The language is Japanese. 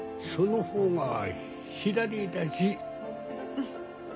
うん。